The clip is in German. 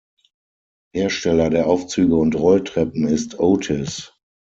Hersteller der Aufzüge und Rolltreppen ist Otis.